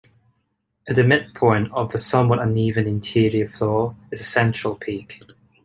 At the midpoint of the somewhat uneven interior floor is a central peak.